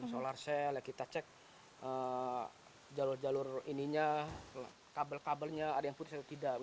solar cell ya kita cek jalur jalur ini nya kabel kabelnya ada yang putih atau tidak